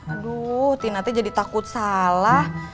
aduh tina teh jadi takut salah